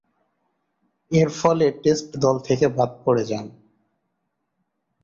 এরফলে টেস্ট দল থেকে বাদ পড়ে যান।